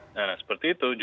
nah seperti itu